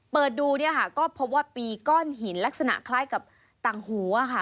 เปิดดูเนี่ยค่ะก็พบว่ามีก้อนหินลักษณะคล้ายกับต่างหัวค่ะ